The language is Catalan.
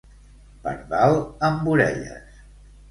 Pardal amb orelles.